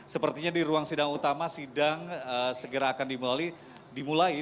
sepertinya di ruang sidang utama sidang segera akan dimulai